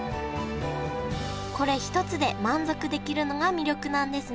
これ一つで満足できるのが魅力なんですね